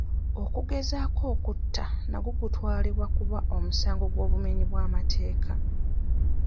Okugezaako okutta nagwo gutwalibwa okuba omusango gw'obumenyi bw'amateeka